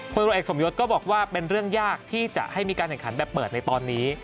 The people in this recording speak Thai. ตรวจเอกสมยศก็บอกว่าเป็นเรื่องยากที่จะให้มีการแข่งขันแบบเปิดในตอนนี้